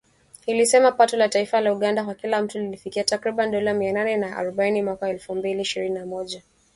ilisema pato la taifa la Uganda kwa kila mtu lilifikia takribani dola mia nane na arobaini mwaka wa elfu mbili ishirini na moja.